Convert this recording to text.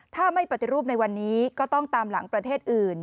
ถ้าไม่ปฏิรูปในวันนี้ก็ต้องตามหลังประเทศอื่น